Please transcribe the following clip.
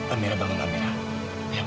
amira bangun amira